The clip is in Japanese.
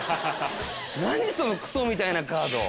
何そのクソみたいなカード。